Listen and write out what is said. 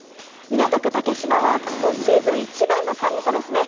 港区竹芝は今シーズン一番の寒さですね。